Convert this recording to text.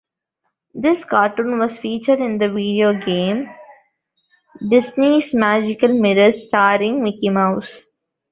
This cartoon was featured in the video game "Disney's Magical Mirror Starring Mickey Mouse".